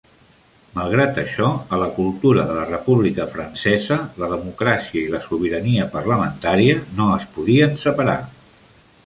Malgrat això, a la cultura de la República Francesa la democràcia i la sobirania parlamentària no es podien separar.